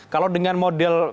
kalau dengan model